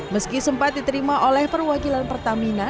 meski sempat diterima oleh perwakilan pertamina